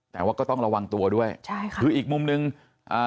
แต่ว่าก็ต้องระวังตัวด้วยใช่ค่ะคืออีกมุมหนึ่งอ่า